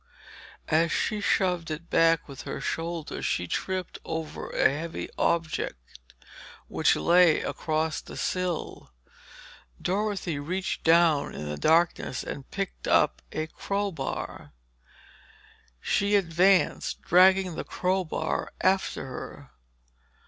As she shoved it back with her shoulder, she tripped over a heavy object which lay across the sill. Dorothy reached down in the darkness and picked up a crowbar. She advanced, dragging the crowbar after her.